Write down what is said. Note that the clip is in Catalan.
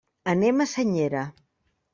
Anem a Senyera.